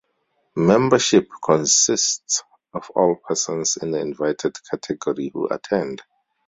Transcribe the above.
"Membership" consists of all persons in the invited category who attend.